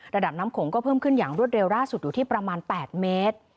ระดับน้ำโขงก็เพิ่มขึ้นอย่างรวดเร็วล่าสุดอยู่ที่ประมาณ๘เมตร